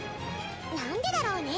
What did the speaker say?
なんでだろうね。